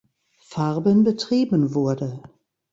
Farben betrieben wurde.